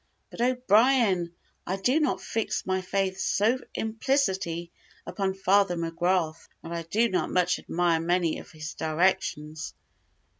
'" "But O'Brien, I do not fix my faith so implicitly upon Father McGrath; and I do not much admire many of his directions."